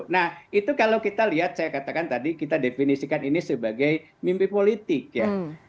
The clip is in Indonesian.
nah itu kalau kita lihat saya katakan tadi kita definisikan ini sebagai mimpi politik ya